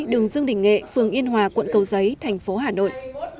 đường dương đình nghệ phường yên hòa quận cầu giấy thành phố hà nội